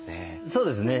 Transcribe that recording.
そうですね。